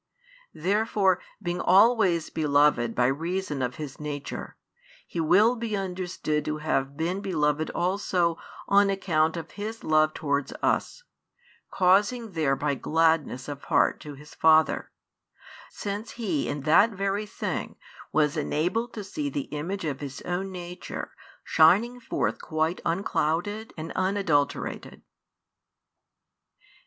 Therefore, being always beloved by reason of His Nature, He will be understood to have been beloved also on account of His love towards us, causing thereby gladness of heart to His Father: since He in that very thing was enabled to see the Image of His own Nature shining forth quite unclouded and unadulterated.